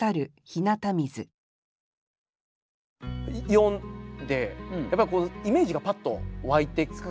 読んでやっぱりイメージがパッと湧いてくるなって。